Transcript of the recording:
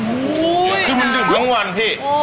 อยู่ขึ้นมันดื่มทั้งวันพี่